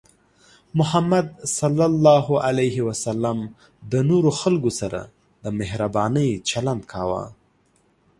محمد صلى الله عليه وسلم د نورو خلکو سره د مهربانۍ چلند کاوه.